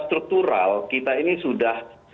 struktural kita ini sudah